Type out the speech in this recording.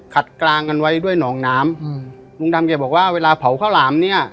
กลางกันไว้ด้วยหนองน้ำอืมลุงดำแกบอกว่าเวลาเผาข้าวหลามเนี้ย